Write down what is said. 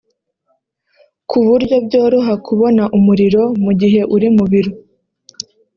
ku buryo byoroha kubona umuriro mu gihe uri mu biro